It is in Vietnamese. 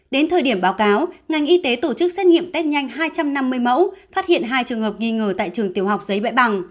đến thời điểm báo cáo ngành y tế tổ chức xét nghiệm test nhanh hai trăm năm mươi mẫu phát hiện hai trường hợp nghi ngờ tại trường tiểu học giấy bãi bằng